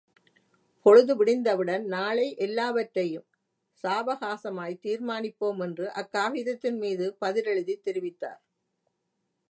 பொழுது விடிந்தவுடன் நாளை எல்லாவற்றையும் சாவகாசமாய்த் தீர்மானிப்போம் என்று அக் காகிதத்தின் மீது பதில் எழுதித் தெரிவித்தார்.